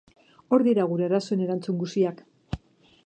Hor dira gure arazoen erantzun guziak.